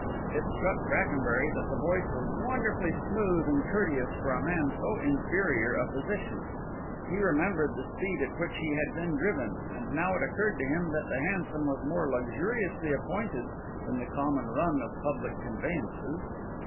It struck Brackenbury that the voice was wonderfully smooth and courteous for a man in so inferior a position; he remembered the speed at which he had been driven; and now it occurred to him that the hansom was more luxuriously appointed than the common run of public conveyances.